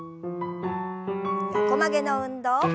横曲げの運動。